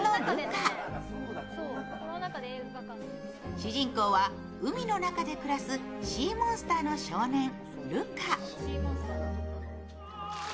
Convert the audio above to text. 主人公は海の中で暮らすシー・モンスターの少年・ルカ。